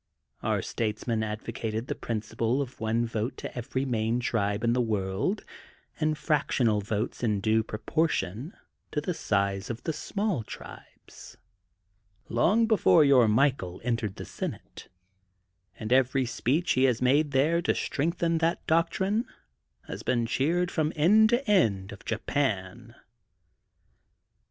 Our statesmen advocated the principle of one vote to every main tribe in the world and fractional votes in due pro portion to the size of the small tribes, long 270 THE GOLDEN BOOK OF SPRINGFIELD before your Michael entered the Senate, and every speech he has made there to strengthen that doctrine has been cheered from end to end of Japan.